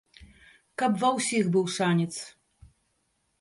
Каб ва ўсіх быў шанец.